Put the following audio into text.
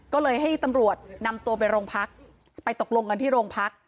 ก็เลยให้ตำรวจนำตัวไปโรงพักไปตกลงกันที่โรงพัก